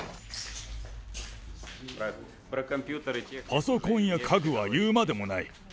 パソコンや家具は言うまでもない。